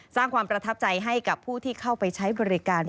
สร้างความประทับใจให้กับผู้ที่เข้าไปใช้บริการ